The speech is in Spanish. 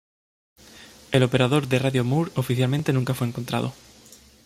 El operador de radio Moore oficialmente nunca fue encontrado.